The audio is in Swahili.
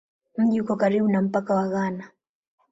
Mji uko karibu na mpaka wa Ghana.